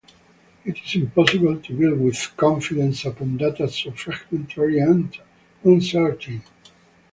It is impossible to build with confidence upon data so fragmentary and uncertain.